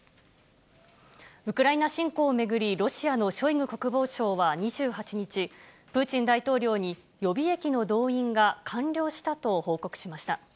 ウクライナ侵攻を巡り、ロシアのショイグ国防相は２８日、プーチン大統領に予備役の動員が完了したと報告しました。